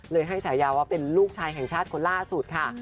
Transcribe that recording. ให้ฉายาว่าเป็นลูกชายแห่งชาติคนล่าสุดค่ะ